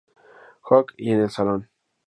Hogg y en el salón.